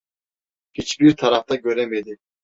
Hiçbir tarafta göremedi.